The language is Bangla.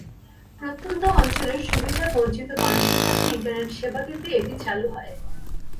প্রত্যন্ত অঞ্চলের সুবিধাবঞ্চিত মানুষের কাছে ইন্টারনেট সেবা দিতে এটি চালু হয়।